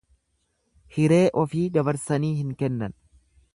Hiree ofii dabarsanii hin kennan.